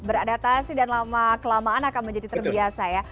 beradaptasi dan lama kelamaan akan menjadi terbiasa ya